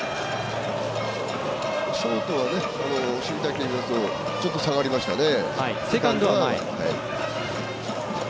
ショートは守備隊形を見ますとちょっと下がりましたね。